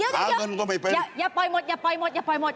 อย่าปล่อยหมดอย่าปล่อยหมด